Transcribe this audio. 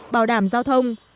bảo đảm giao thông